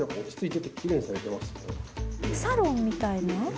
サロンみたいな？